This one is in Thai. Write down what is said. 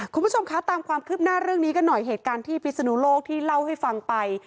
คุณผู้ชมคะตามความคืบหน้าเรื่องนี้กันหน่อยเหตุการณ์ที่พิศนุโลกที่เล่าให้ฟังไป